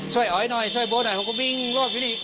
อ๋อยหน่อยช่วยโบ๊ทหน่อยผมก็วิ่งรอดไปนี่